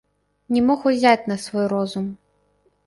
Не мог узяць на свой розум.